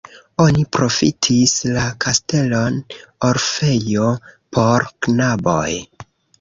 Oni profitis la kastelon orfejo por knaboj.